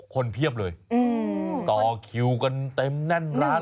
เพียบเลยต่อคิวกันเต็มแน่นร้าน